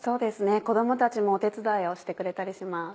子供たちもお手伝いをしてくれたりします。